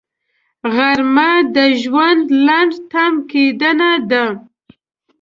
غرمه د ژوند لنډ تم کېدنه ده